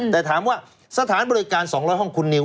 แต่ถามว่าสถานบริการ๒๐๐ห้องคุณนิว